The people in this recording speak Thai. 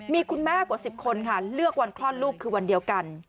มีคุณแม่กว่า๑๐คนค่ะเลือกวันคลอดลูกคือวันเดียวกัน